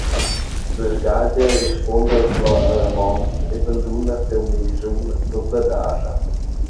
La sgagia rispunda al clom alarmont e banduna siu mischun sut la dascha.